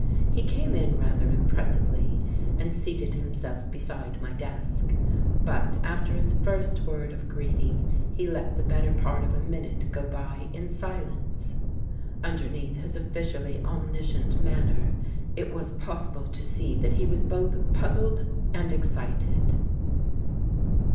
He came in rather impressively and seated him self beside my desk. But, after his first word of greeting, he let the better part of a minute go by in silence. Underneath his officially omniscient manner it was possible to see that he was both puz zled and excited.